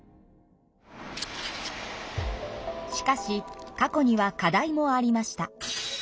しかし過去には課題もありました。